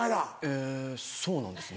へぇそうなんですね。